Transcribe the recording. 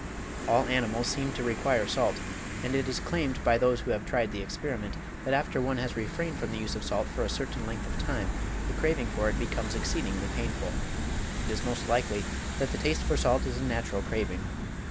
All animals seem to require salt, and it is claimed by those who have tried the experiment that after one has refrained from the use of salt for a certain length of time the craving for it becomes exceedingly painful. It is most likely that the taste for salt is a natural craving.